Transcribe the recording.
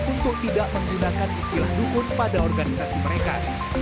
untuk tidak menggunakan istilah dukun pada organisasi mereka